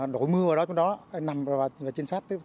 đổi mưa vào trong đó nằm vào chính sách